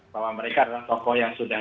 bahwa mereka adalah tokoh yang sudah